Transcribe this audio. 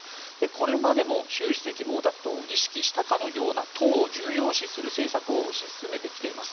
これまでも習主席は毛沢東を意識したかのような党を重要視する政策を推し進めてきています。